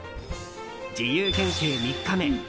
自由研究３日目。